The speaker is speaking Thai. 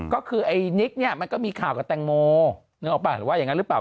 ก็คือไอ้นิกเนี่ยมันก็มีข่าวกับแตงโมนึกออกป่ะหรือว่าอย่างนั้นหรือเปล่า